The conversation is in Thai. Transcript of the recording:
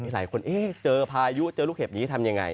หลายคนเจอลูกเห็ปนี้ยังไง